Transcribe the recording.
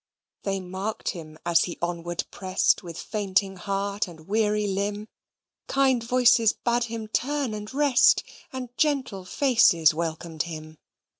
They mark'd him as he onward prest, With fainting heart and weary limb; Kind voices bade him turn and rest, And gentle faces welcomed him.